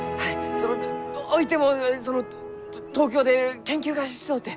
そのどういてもその東京で研究がしとうて。